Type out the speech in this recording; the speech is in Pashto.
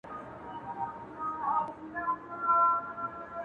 ما په خپل ځان ستم د اوښکو په باران کړی دی ـ